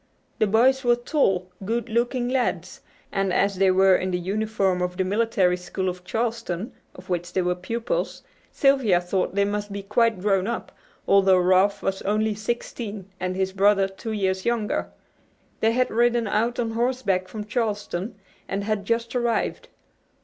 The boys were tall, good looking lads, and as they were in the uniform of the Military School of Charleston, of which they were pupils, Sylvia thought they must be quite grown up, although Ralph was only sixteen and his brother two years younger. They had ridden out on horseback from Charleston, and had just arrived.